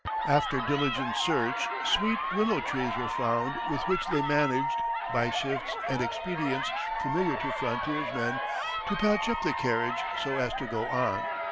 After diligent search sweet willow trees were found with which they managed, by shifts and expedients familiar to frontiersmen, to patch up the carriage so as to go on.